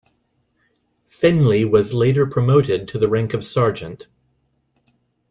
Finlay was later promoted to the rank of sergeant.